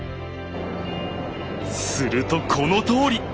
するとこのとおり。